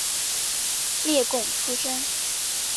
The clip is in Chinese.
例贡出身。